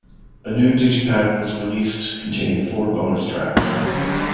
A new digipack was released containing four bonus tracks.